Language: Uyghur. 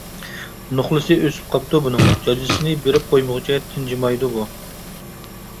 — نوخلىسى ئۆسۈپ قاپتۇ بۇنىڭ، جاجىسىنى بېرىپ قويمىغۇچە تىنچىمايدۇ بۇ!